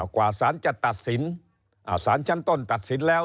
กว่าสารจะตัดสินสารชั้นต้นตัดสินแล้ว